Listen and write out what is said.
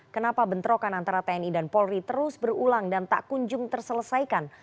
kenapa bentrokan antara tni dan polri terus berulang dan tak kunjung terselesaikan